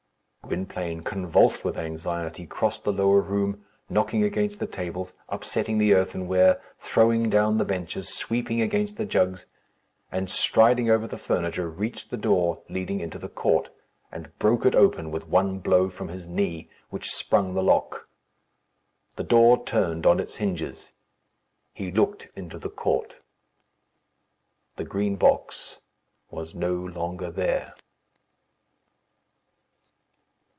Gwynplaine, convulsed with anxiety, crossed the lower room, knocking against the tables, upsetting the earthenware, throwing down the benches, sweeping against the jugs, and, striding over the furniture, reached the door leading into the court, and broke it open with one blow from his knee, which sprung the lock. The door turned on its hinges. He looked into the court. The Green Box was no longer there.